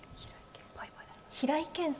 平井堅さん？